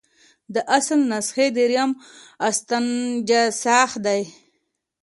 د اصل نسخې دریم استنساخ دی.